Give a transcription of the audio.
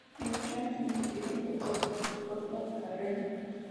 Dicha iniciativa fue propuesta por la reina.